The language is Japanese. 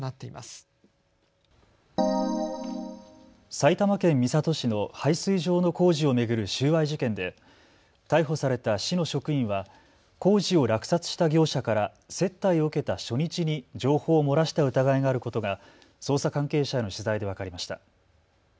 埼玉県三郷市の配水場の工事を巡る収賄事件で逮捕された市の職員は工事を落札した業者から接待を受けた初日に情報を漏らした疑いがあることが捜査関係者への取材で分かりました。